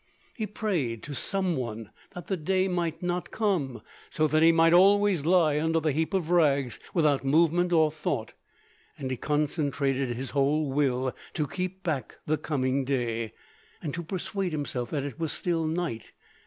He prayed to some one that the day might not come, so that he might always lie under the heap of rags, without movement or thought, and he concentrated his whole will to keep back the coming day, and to persuade himself that it was still night.